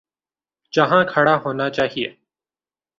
جہاں کھڑا ہونا چاہیے۔